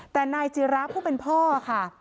แต่นายจิระผู้เป็นพ่อค่ะ